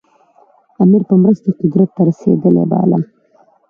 امیر په مرسته قدرت ته رسېدلی باله.